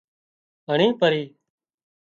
هڻي پرِي